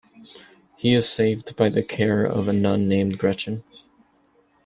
He is saved by the care of a nun named Gretchen.